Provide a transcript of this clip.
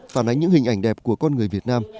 phản ánh những hình ảnh đẹp của con người việt nam